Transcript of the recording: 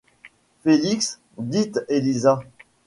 Félix, dite Élisa.